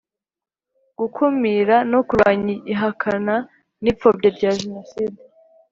Gukumira no kurwanya ihakana n ipfobya rya Jenoside